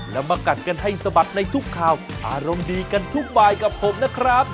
แล้วมากัดกันให้สะบัดในทุกข่าวอารมณ์ดีกันทุกบายกับผมนะครับ